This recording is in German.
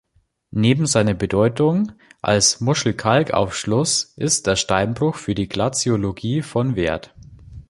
Neben seiner Bedeutung als Muschelkalk-Aufschluss ist der Steinbruch für die Glaziologie von Wert.